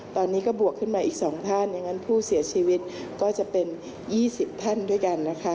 ตอนนี้ก็บวกขึ้นมาอีก๒ท่านอย่างนั้นผู้เสียชีวิตก็จะเป็น๒๐ท่านด้วยกันนะคะ